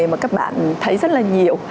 mà các bạn thấy rất là nhiều